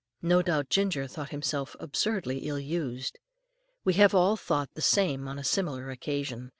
No doubt Ginger thought himself absurdly ill used. We have all thought the same on a similar occasion.